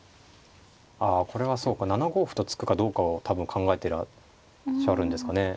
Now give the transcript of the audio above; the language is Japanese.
ああこれはそうか７五歩と突くかどうかを多分考えてらっしゃるんですかね。